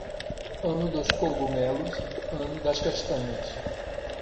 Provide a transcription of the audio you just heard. Ano dos cogumelos, ano das castanhas.